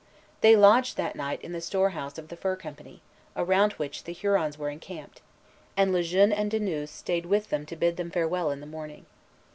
They lodged that night in the storehouse of the fur company, around which the Hurons were encamped; and Le Jeune and De Nouë stayed with them to bid them farewell in the morning.